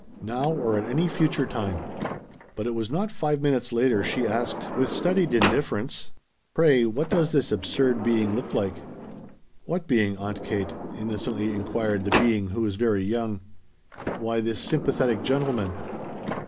"Now, or at any future time." But it was not five minutes later she asked, with studied indifference: "Pray what does this absurd being look like?" "What being, Aunt Kate?" innocently inquired the being who was very young. "Why this sympathetic gentleman!"